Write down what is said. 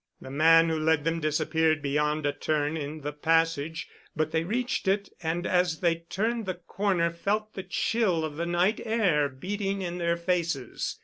The man who led them disappeared beyond a turn in the passage, but they reached it and as they turned the corner felt the chill of the night air beating in their faces.